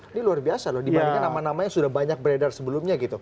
ini luar biasa loh dibandingkan nama nama yang sudah banyak beredar sebelumnya gitu